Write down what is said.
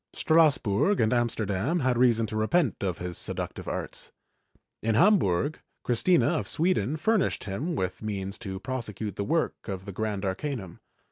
Strass burg and Amsterdam had reason to repent of his seductive arts. In Hambiu g, Christina of Sweden furnished him with means to prosecute the work of the Grand Arcanum.